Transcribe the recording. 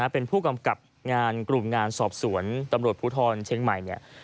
เป็นผู้กำกับงานกลุ่มงานสอบสวนตำรวจภูทรเชียงใหม่เนี่ย